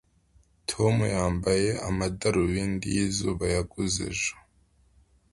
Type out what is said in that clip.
tom yambaye amadarubindi yizuba yaguze ejo